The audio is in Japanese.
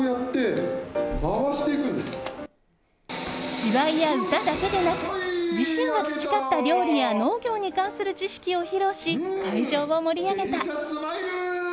芝居や歌だけでなく自身が培った料理や農業に関する知識を披露し会場を盛り上げた。